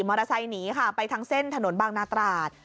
มอเตอร์ไซค์นี้จนไปทางเส้นถนนบางนาตราด